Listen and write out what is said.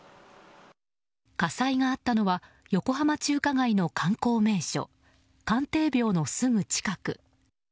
火災があったのは横浜中華街の観光名所、関帝廟のすぐ近く。